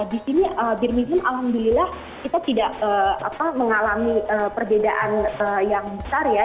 di sini birmizim alhamdulillah kita tidak mengalami perbedaan yang besar ya